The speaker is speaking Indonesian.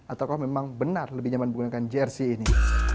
ataukah memang benar lebih nyaman menggunakan jersey ini